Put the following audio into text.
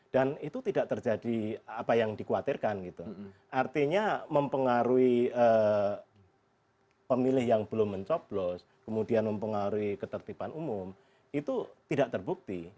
dan itu tidak terjadi apa yang dikhawatirkan gitu artinya mempengaruhi pemilih yang belum mencoplos kemudian mempengaruhi ketertiban umum itu tidak terbukti